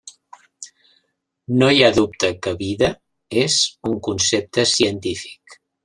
No hi ha dubte que vida és un concepte científic.